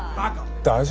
大丈夫か？